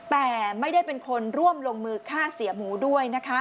แต่ไม่ได้เป็นคนร่วมลงมือฆ่าเสียหมูด้วยนะคะ